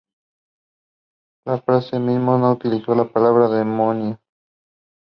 Littlejohn adopted innovate methods to study public health.